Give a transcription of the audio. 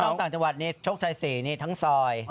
ไม่ต้องตัวจังหวัดนี้โชคชัยสี่นี่ทั้งซอย